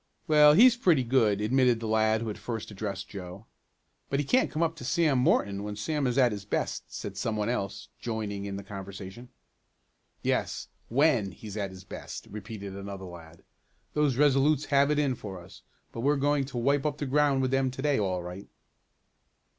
"Well, he's pretty good," admitted the lad who had first addressed Joe. "But he can't come up to Sam Morton when Sam is at his best," said some one else, joining in the conversation. "Yes when he's at his best," repeated another lad. "Those Resolutes have it in for us, but we're going to wipe up the ground with them to day all right."